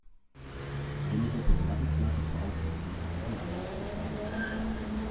Einige bemerkenswerte Bauten sind zu diesem Anlass entstanden.